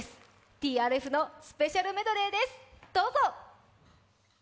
ＴＲＦのスペシャルメドレーです、どうぞ。